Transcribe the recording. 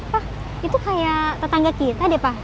pak itu kayak tetangga kita deh pak